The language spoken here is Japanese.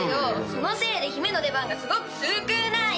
そのせいで姫の出番がすごく少ない！